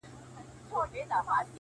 غنم د ژوند رڼا ده.